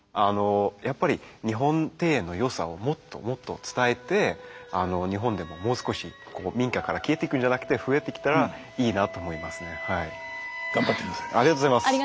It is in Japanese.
やっぱり日本庭園のよさをもっともっと伝えて日本でももう少しこう民家から消えていくんじゃなくて増えてきたらいいなと思いますね。